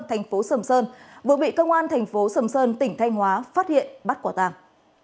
thành phố sầm sơn vừa bị công an thành phố sầm sơn tỉnh thanh hóa phát hiện bắt quả tàng